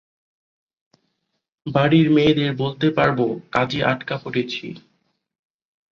বাড়ির মেয়েদের বলতে পারব কাজে আটকা পড়েছি।